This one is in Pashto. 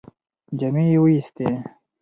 جامې یې ووېستې.